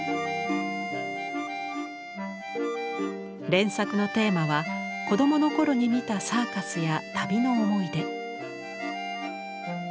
連作のテーマは子どもの頃に見たサーカスや旅の思い出。